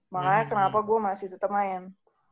makanya kenapa gue masih tetap main